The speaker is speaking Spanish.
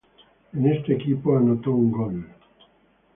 En este equipo le anotó un gol.